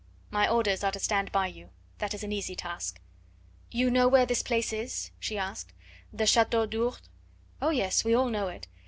"My orders are to stand by you. That is an easy task." "You know where this place is?" she asked "the Chateau d'Ourde?" "Oh, yes, we all know it!